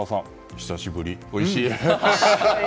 久しぶり、おいしい。